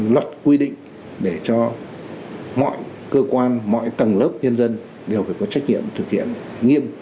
luật quy định để cho mọi cơ quan mọi tầng lớp nhân dân đều phải có trách nhiệm thực hiện nghiêm